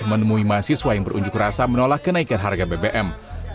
menemui mahasiswa yang berunjuk rasa menolak kenaikan harga bbm